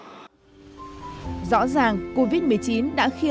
rõ ràng covid một mươi chín đã khiến các đơn vị bị thiệt hại đáng kể